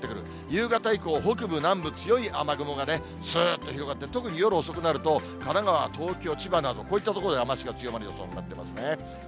夕方以降、北部、南部、強い雨雲がすーっと広がって、特に夜遅くなると、神奈川、東京、千葉など、こういった所で雨足が強まる予想になってますね。